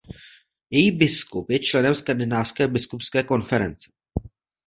Její biskup je členem Skandinávské biskupské konference.